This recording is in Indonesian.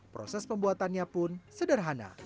proses pembuatannya pun sederhana